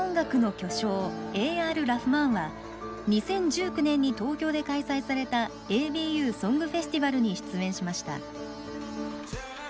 Ａ．Ｒ．ラフマーンは２０１９年に東京で開催された「ＡＢＵソングフェスティバル」に出演しました。